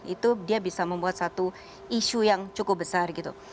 itu dia bisa membuat satu isu yang cukup besar gitu